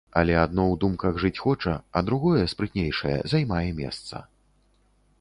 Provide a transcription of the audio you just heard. Але адно ў думках жыць хоча, а другое, спрытнейшае, займае месца.